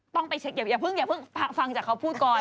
ต้องไปเช็คอย่าเพิ่งอย่าเพิ่งฟังจากเขาพูดก่อน